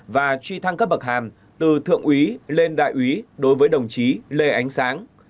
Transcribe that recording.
và truy thăng cấp bậc hàm từ thượng úy lên đại úy đối với đồng chí lê ánh sáng